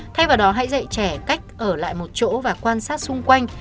thay vào đó hãy dạy trẻ cách ở lại một chỗ và quan sát xung quanh